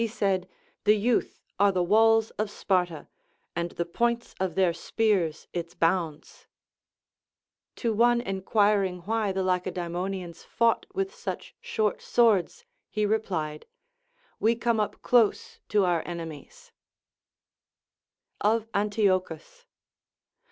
He said. The youth are the walls of Sparta, and the points of their spears its bounds. To one enquir ing why the Lacedaemonians fought with such short swords he replied, AVe come up close to our enemies. LACONIC APOPHTHEGMS. 403 Of Antiochus.